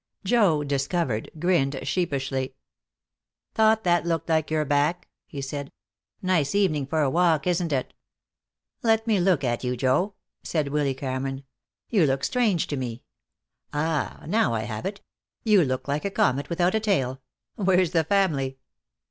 Joe, discovered, grinned sheepishly. "Thought that looked like your back," he said. "Nice evening for a walk, isn't it?" "Let me look at you, Joe," said Willy Cameron. "You look strange to me. Ah, now I have it. You look like a comet without a tail. Where's the family?"